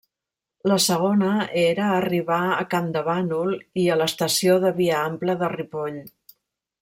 La segona era arribar a Campdevànol i a l'estació de via ampla de Ripoll.